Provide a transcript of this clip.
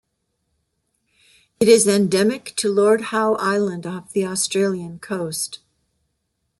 It is endemic to Lord Howe Island off the Australian coast.